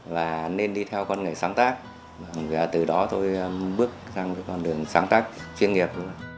và nên đi theo con người sáng tác và từ đó tôi bước sang con đường sáng tác chuyên nghiệp